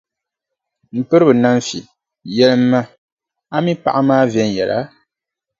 M piriba Nanfi, yɛlimi ma, a mi paɣa maa viɛnyɛla?